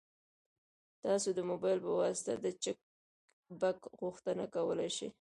تاسو د موبایل په واسطه د چک بک غوښتنه کولی شئ.